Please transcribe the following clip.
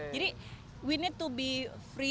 jadi kita harus